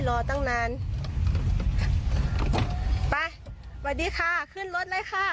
รอตั้งนานไปสวัสดีค่ะขึ้นรถเลยค่ะ